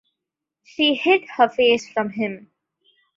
She hid her face from him.